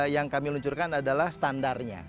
yang kami luncurkan adalah standarnya